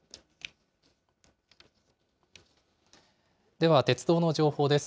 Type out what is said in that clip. では鉄道の情報です。